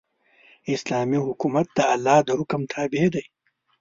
اسلامي حکومت د الله د حکم تابع دی.